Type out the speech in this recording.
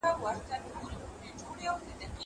غیر صحیحه نکاح کومې نکاح ته ویل کيږي؟